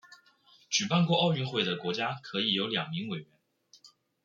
举办过奥运会的国家可以有两名委员。